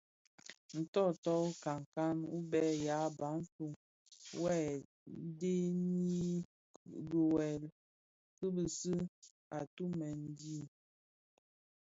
Ntôôtô wu nkankan wu bë ya Bantu (Bafia) wuè dhëňdhëni kigwèl bi bisi a ditumen di.